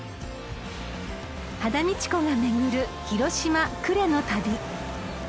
［羽田美智子が巡る広島呉の旅］